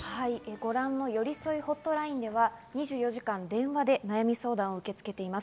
ご覧のよりそいホットラインでは２４時間電話で悩み相談を受け付けています。